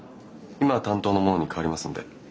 今担当の者に替わりますんで。